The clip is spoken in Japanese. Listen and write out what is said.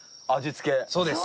そうです。